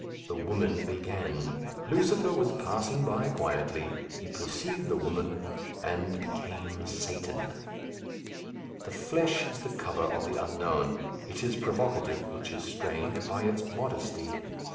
The woman began. Lucifer was passing by quietly. He perceived the woman, and became Satan. The flesh is the cover of the unknown. It is provocative (which is strange) by its modesty.